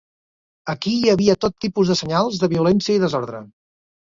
Aquí hi havia tot tipus de senyals de violència i desordre.